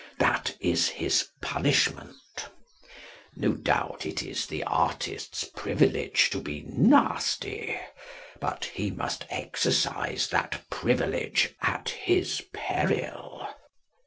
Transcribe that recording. That is his punishment. No doubt, it is the artist's privilege to be nasty; but he must exercise that privilege at his peril.